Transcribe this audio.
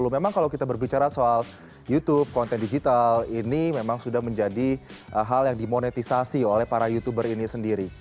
memang kalau kita berbicara soal youtube konten digital ini memang sudah menjadi hal yang dimonetisasi oleh para youtuber ini sendiri